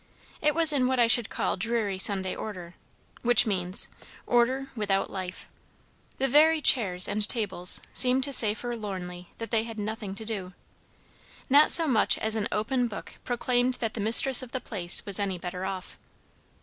It was in what I should call dreary Sunday order; which means, order without life. The very chairs and tables seemed to say forlornly that they had nothing to do. Not so much as an open book proclaimed that the mistress of the place was any better off.